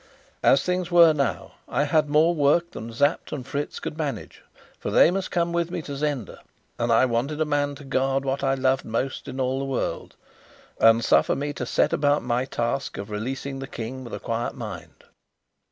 As things were now, I had more work than Sapt and Fritz could manage, for they must come with me to Zenda, and I wanted a man to guard what I loved most in all the world, and suffer me to set about my task of releasing the King with a quiet mind.